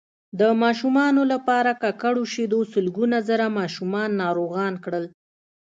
د ماشومانو لپاره ککړو شیدو سلګونه زره ماشومان ناروغان کړل